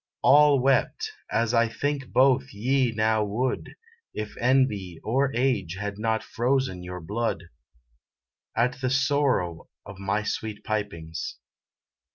All wept as I think both ye now would, If envy or age had not frozen your blood, At the sorrow of my sweet pipings.